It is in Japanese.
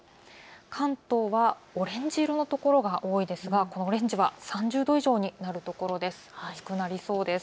関東はオレンジ色のところが多いですがこのオレンジが３０度以上になるところです。